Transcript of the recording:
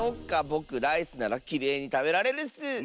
ぼくライスならきれいにたべられるッス！